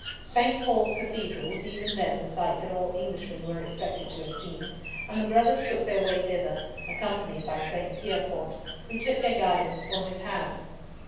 St. Paul's Cathedral was even then the sight that all Englishmen were expected to have seen, and the brothers took their way thither, accompanied by Frank Pierrepoint, who took their guidance on his hands.